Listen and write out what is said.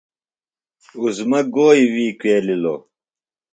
عظمیٰ گوئی وی کُویلِلوۡ؟